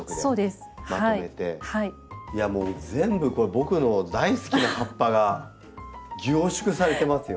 いやもう全部僕の大好きな葉っぱが凝縮されてますよ。